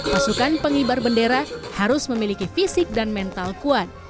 pasukan pengibar bendera harus memiliki fisik dan mental kuat